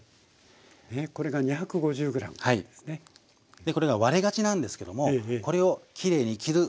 でこれが割れがちなんですけどもこれをきれいに切る技を紹介いたします。